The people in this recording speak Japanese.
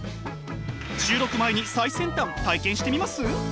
収録前に最先端体験してみます？